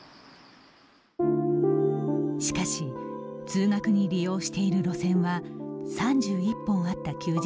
しかし通学に利用している路線は３１本あった休日